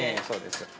そうです。